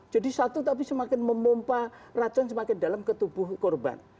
jadi satu tapi semakin memumpah racun semakin dalam ke tubuh korban